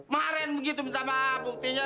maren begitu minta maaf buktinya